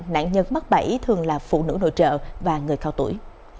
nạn nhân mắc bẫy thường là phụ nữ nội trợ và người cao tuổi